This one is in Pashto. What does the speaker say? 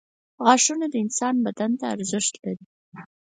• غاښونه د انسان بدن ته ارزښت لري.